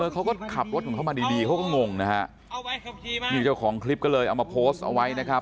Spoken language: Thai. เขาก็ขับรถของเขามาดีเขาก็งงนะฮะนี่เจ้าของคลิปก็เลยเอามาโพสต์เอาไว้นะครับ